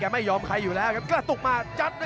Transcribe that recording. อื้อหือจังหวะขวางแล้วพยายามจะเล่นงานด้วยซอกแต่วงใน